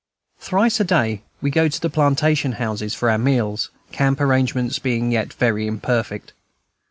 Thrice a day we go to the plantation houses for our meals, camp arrangements being yet very imperfect.